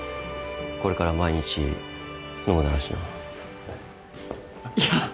これから毎日飲むだろうしな。